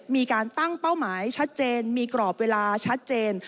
มีการตั้งเป้าหมายชัดเจนมีกรอบเวลาชัดเจน